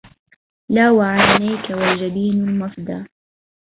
لا وعينيك والجبين المفدى